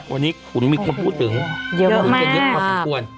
วันนี้ขุนมีคนพูดถึงเยอะมาก